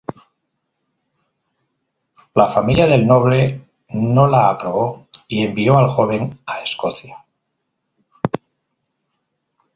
La familia del noble no la aprobó y envió al joven a Escocia.